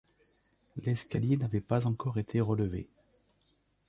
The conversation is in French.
L’escalier n’avait pas encore été relevé.